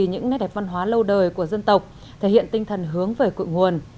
những nét đẹp văn hóa lâu đời của dân tộc thể hiện tinh thần hướng về cội nguồn